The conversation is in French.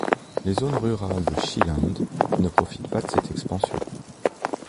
Les zones rurales de Schieland ne profitent pas de cette expansion.